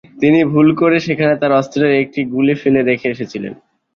তিনি ভুল করে সেখানে তাঁর অস্ত্রের একটি গুলি ফেলে রেখে এসেছিলেন।